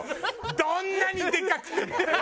どんなにでかくても。